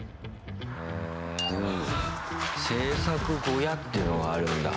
制作小屋っていうのがあるんだ。